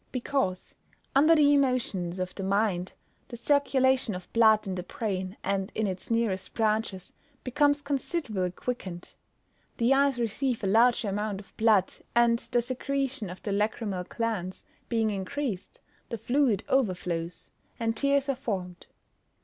_ Because, under the emotions of the mind, the circulation of blood in the brain, and in its nearest branches, becomes considerably quickened. The eyes receive a larger amount of blood, and the secretion of the lachrymal glands being increased, the fluid overflows, and tears are formed.